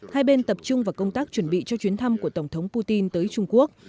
hai bên tập trung vào công tác chuẩn bị cho chuyến thăm của tổng thống putin tới trung quốc